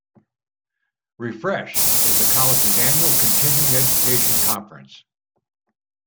"Refresh" is the college's annual continuing education conference.